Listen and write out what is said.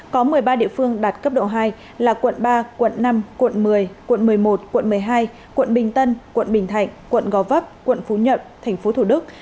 có một mươi ba địa phương đạt cấp độ hai là quận ba quận năm quận một mươi quận một mươi một quận một mươi hai quận bình tân quận bình thạnh quận gò vấp quận phú nhuận tp thủ đức